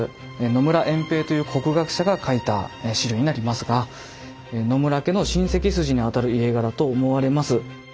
野村円平という国学者が書いた史料になりますが野村家の親戚筋にあたる家柄と思われます。